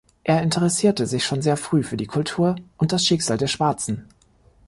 Er interessierte sich schon sehr früh für die Kultur und das Schicksal der Schwarzen.